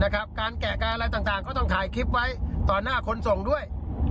การแกะการอะไรต่างก็ต้องถ่ายคลิปไว้ต่อหน้าคนส่งด้วย